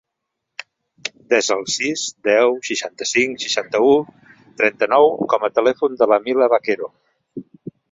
Desa el sis, deu, seixanta-cinc, seixanta-u, trenta-nou com a telèfon de la Mila Baquero.